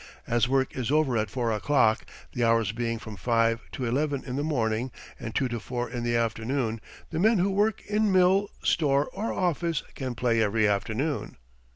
As work is over at four o'clock the hours being from five to eleven in the morning and two to four in the afternoon the men who work in mill, store or office can play every afternoon.